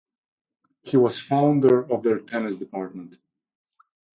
He was founder of their tennis department.